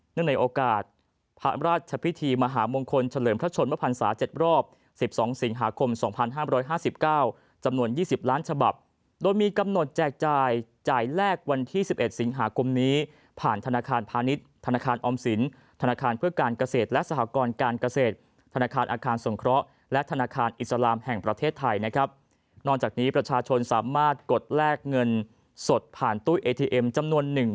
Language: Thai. เนื่องในโอกาสพระราชพิธีมหามงคลเฉลิมพระชนวภัณฑ์ศาสตร์๗รอบ๑๒สิงหาคม๒๕๕๙จำนวน๒๐ล้านฉบับโดยมีกำหนดแจกจ่ายจ่ายแลกวันที่๑๑สิงหาคมนี้ผ่านธนาคารพาณิชย์ธนาคารออมสินธนาคารเพื่อการเกษตรและสหกรการเกษตรธนาคารอาคารสงเคราะห์และธนาคารอิสลามแห่งประเทศไทยนะ